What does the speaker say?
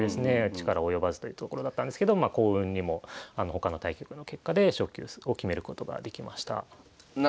力及ばずというところだったんですけど幸運にも他の対局の結果で昇級を決めることができました。